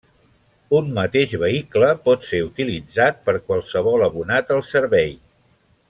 Un mateix vehicle pot ser utilitzat per qualsevol abonat al servei.